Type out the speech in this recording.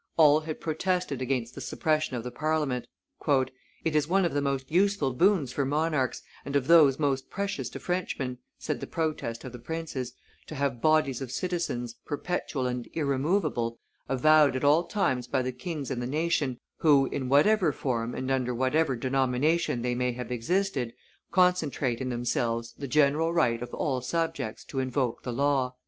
All had protested against the suppression of the Parliament. "It is one of the most useful boons for monarchs and of those most precious to Frenchmen," said the protest of the princes, "to have bodies of citizens, perpetual and irremovable, avowed at all times by the kings and the nation, who, in whatever form and under whatever denomination they may have existed, concentrate in themselves the general right of all subjects to invoke the law."